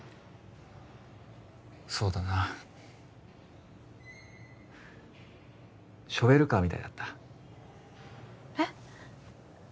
そうだなショベルカーみたいだったえっ？